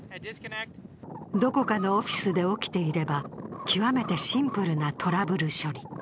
どこかのオフィスで起きていれば極めてシンプルなトラブル処理。